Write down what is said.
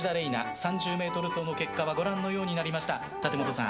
３０ｍ走の結果はご覧のようになりました。